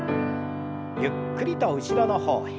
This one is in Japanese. ゆっくりと後ろの方へ。